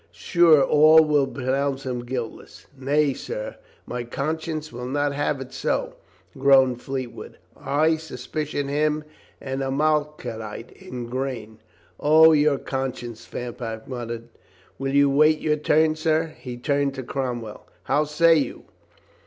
Sure all will pronounce him guiltless." "Nay, sir, my conscience will not have it so," groaned Fleetwood. "I suspicion him an Amale kite in grain." "O, your conscience," Fairfax muttered. "Will you wait your turn, sir?" Pie turned to Cromwell. "How say you?"